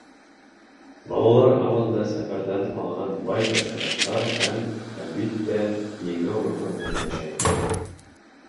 Балалар һаман да сәфәрҙән алған бай тәьҫораттар һәм, әлбиттә, еңеү рухы менән йәшәй.